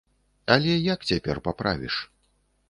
Але як цяпер паправіш?